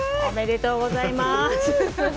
おめでとうございます。